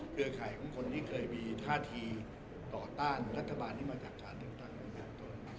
เครือข่ายของคนที่เคยมีท่าทีต่อต้านรัฐบาลที่มาจัดการเรื่องต้านการตัว